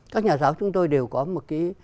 các nhà giáo chúng tôi đều có một cái